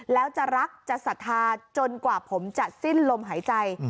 แล้วจะรักจะศรัทธาจนกว่าผมจะสิ้นลมหายใจ